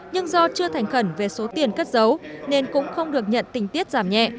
nhưng do chưa thành khẩn về số tiền cất giấu nên cũng không được nhận tình tiết giảm nhẹ